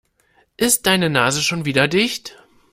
Ist deine Nase schon wieder dicht?